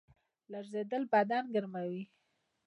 لړزیدل بدن ګرموي